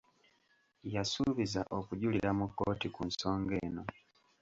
Yasuubiza okujulira mu kkooti ku nsonga eno.